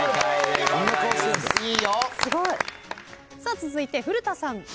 続いて古田さん。